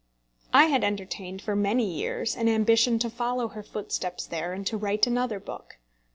I had entertained for many years an ambition to follow her footsteps there, and to write another book.